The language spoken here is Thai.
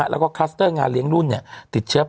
แล้วก็คลัสเตอร์งานเลี้ยงรุ่นติดเชื้อ